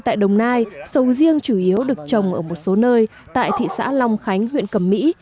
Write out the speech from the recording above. trong năm hai nghìn một mươi sáu sầu riêng trồng được trồng ở một số nơi tại thị xã long khánh huyện cẩm mỹ